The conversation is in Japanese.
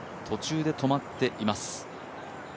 途中で止まっています。